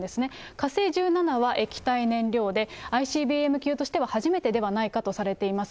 火星１７は液体燃料で、ＩＣＢＭ級としては初めてではないかとされています。